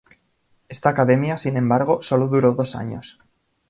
Esta academia, sin embargo, solo duró dos años.